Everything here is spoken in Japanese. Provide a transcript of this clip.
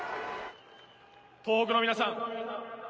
東北の皆さん。